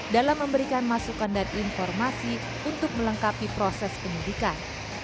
dalam memberikan masukan dan informasi untuk melengkapi proses penyidikan